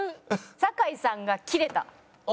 酒井さんがキレた。